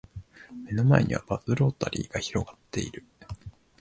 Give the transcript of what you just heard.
目の前にはバスロータリーが広がっている